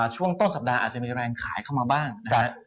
ช่วงต้นสัปดาห์อาจจะมีแรงขายเข้ามาบ้างนะครับ